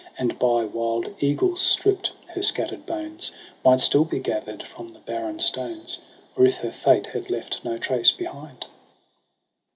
And, by wild eagles stript, her scatter'd bones Might still be gather'd from the barren stones ; Or if her fate had left no trace behind.